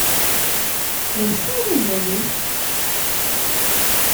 D acu i d azal-is?